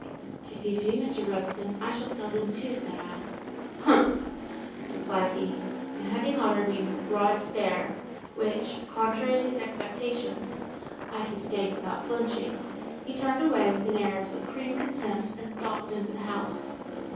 "If you do, Mr. Robson, I shall kill them too," said I. "Humph!" replied he, and having honoured me with a broad stare—which, contrary to his expectations, I sustained without flinching—he turned away with an air of supreme contempt, and stalked into the house.